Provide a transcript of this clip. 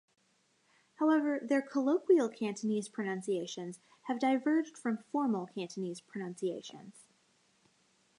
However, their colloquial Cantonese pronunciations have diverged from formal Cantonese pronunciations.